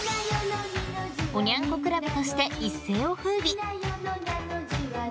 おニャン子クラブとして一世を風靡。